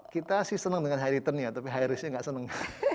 kita sih senang dengan high returnnya tapi high risknya nggak seneng